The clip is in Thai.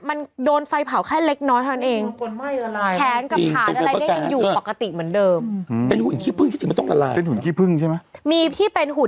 เออทั้งคู่